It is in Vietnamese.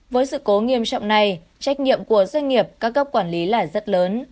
với sự cố nghiêm trọng này trách nhiệm của doanh nghiệp các cấp quản lý là rất lớn